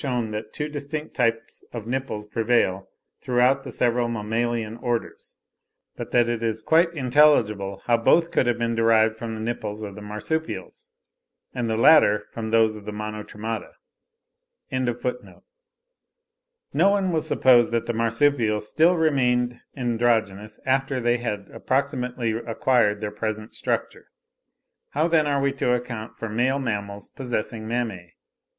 212) that two distinct types of nipples prevail throughout the several mammalian orders, but that it is quite intelligible how both could have been derived from the nipples of the Marsupials, and the latter from those of the Monotremata. See, also, a memoir by Dr. Max Huss, on the mammary glands, ibid. B. viii. p. 176.) No one will suppose that the marsupials still remained androgynous, after they had approximately acquired their present structure. How then are we to account for male mammals possessing mammae?